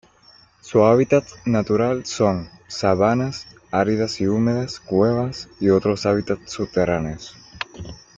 Su hábitat natural son: sabanas, áridas y húmedas, cuevas, y otros hábitats subterráneos.